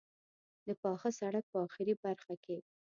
د پاخه سړک په آخري برخه کې.